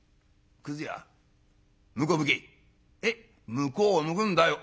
「向こう向くんだよ」。